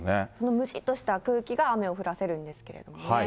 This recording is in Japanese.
蒸しっとした空気が雨を降らせるんですけどね。